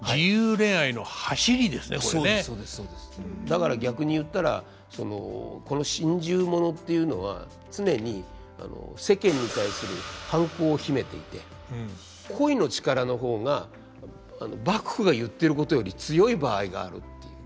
だから逆に言ったらこの心中物っていうのは常に世間に対する反抗を秘めていて恋の力の方が幕府が言ってることより強い場合があるっていう。